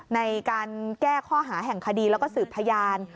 ในการแก้ข้อหาแห่งคดีแล้วก็สืบพยาน